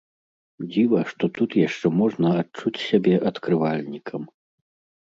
Дзіва, што тут яшчэ можна адчуць сябе адкрывальнікам.